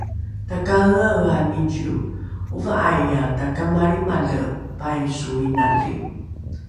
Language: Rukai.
takaeaea nicio ova’aiae takamalrimale paiso inali